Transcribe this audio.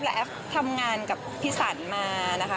และแอฟทำงานกับพี่สันมานะคะ